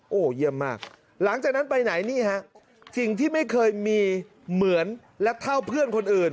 โอ้โหเยี่ยมมากหลังจากนั้นไปไหนนี่ฮะสิ่งที่ไม่เคยมีเหมือนและเท่าเพื่อนคนอื่น